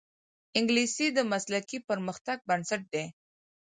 انګلیسي د مسلکي پرمختګ بنسټ دی